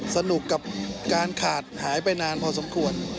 สนุกกับการขาดหายไปนานพอสมควร